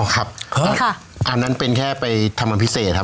ครับอันนั้นเป็นแค่ไปทำอันพิเศษครับ